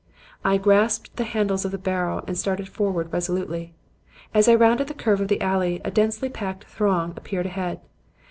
"I grasped the handles of the barrow and started forward resolutely. As I rounded the curve of the alley, a densely packed throng appeared ahead.